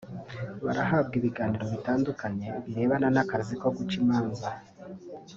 Barahabwa ibiganiro bitandukanye birebana n’akazi ko guca imanza